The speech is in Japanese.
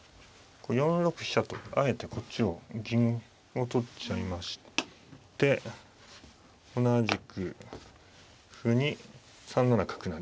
４六飛車とあえてこっちを銀を取っちゃいまして同じく歩に３七角成。